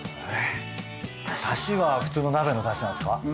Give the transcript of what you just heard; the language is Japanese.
えっだしは普通の鍋のだしなんですか？